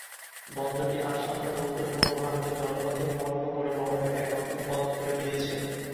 বন্দরটি আসাম তথা উত্তর-পূর্ব ভারতের জলপথে পন্য পরিবহনের এক নতুন পথ খোলে দিয়েছে।